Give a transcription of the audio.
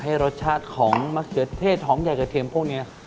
ให้รสชาติของมะเขือเทศหอมใหญ่กระเทียมพวกนี้